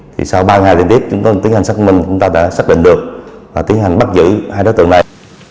thì sau ba ngày liên tiếp chúng tôi tiến hành xác minh chúng ta đã xác định được và tiến hành bắt giữ hai đối tượng này